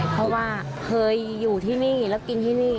เพราะว่าเคยอยู่ที่นี่แล้วกินที่นี่